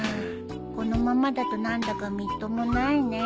このままだと何だかみっともないねえ。